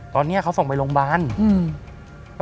ตอนเนี้ยเขาส่งไปโรงพยาบาลอืม